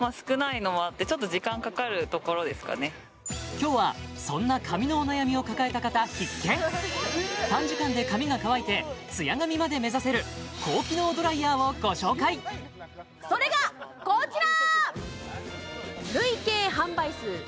今日はそんな髪のお悩みを抱えた方必見短時間で髪が乾いてツヤ髪まで目指せる高機能ドライヤーをご紹介それがこちら